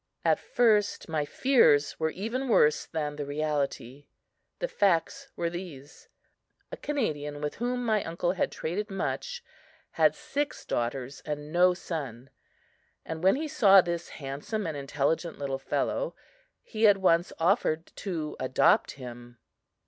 At first my fears were even worse than the reality. The facts were these: A Canadian with whom my uncle had traded much had six daughters and no son; and when he saw this handsome and intelligent little fellow, he at once offered to adopt him.